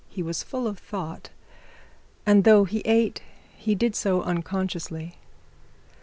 He was full of thoughts, and though he ate he did so unconsciously.